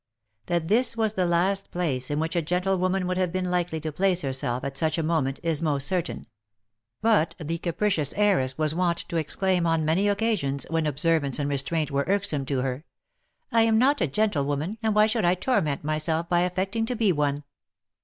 That this was the last place in which a gentlewoman would have been likely to place herself at such a moment, is most certain ; but the ca pricious heiress was wont to exclaim on many occasions, when ob servance and restraint were irksome to her, " I am not a gentlewoman — and why should I torment myself by affecting to be one."